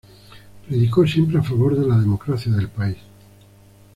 Predicó siempre a favor de la democracia del país.